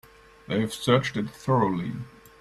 They have searched it thoroughly.